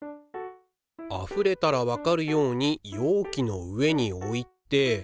あふれたらわかるように容器の上に置いて。